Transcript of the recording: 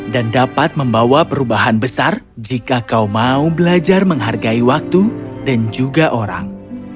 dan dapat membawa perubahan besar jika kau mau belajar menghargai waktu dan juga orang